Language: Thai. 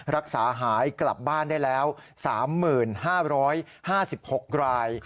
รักษาหายกลับบ้านได้แล้ว๓๕๕๖ราย